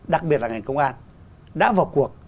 đặc biệt là ngành công an đã vào cuộc